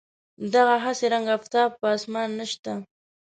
دغه هسې رنګ آفتاب په اسمان نشته.